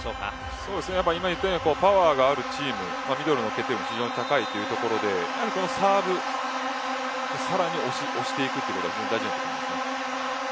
今、言ったようにパワーがあるチームミドルの決定力が非常に高いというところでサーブでさらに押していくというところ大事にしていきたいですね。